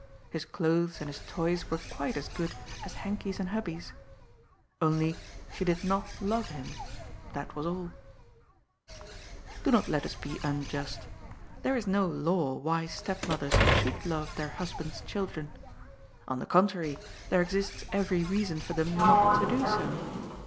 His clothes and his toys were quite as good as Henkie's and Hubbie's. Only she did not love him, that was alL Do not let us be unjust There is no law why step mothers should love their husbands' children. On the con trary, there exists every reason for them not to do so.